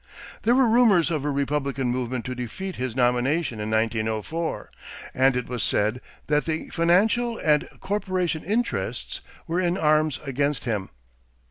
There were rumors of a Republican movement to defeat his nomination in 1904 and it was said that the "financial and corporation interests" were in arms against him.